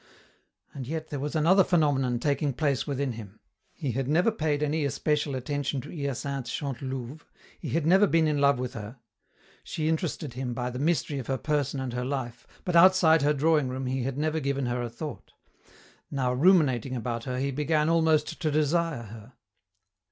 And yet, there was another phenomenon taking place within him. He had never paid any especial attention to Hyacinthe Chantelouve, he had never been in love with her. She interested him by the mystery of her person and her life, but outside her drawing room he had never given her a thought. Now ruminating about her he began almost to desire her.